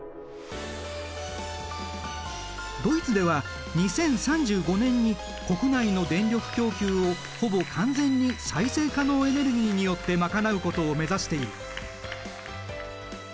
ドイツでは２０３５年に国内の電力供給をほぼ完全に再生可能エネルギーによって賄うことを目指している。